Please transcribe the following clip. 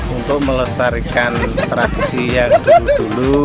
untuk melestarikan tradisi yang dulu dulu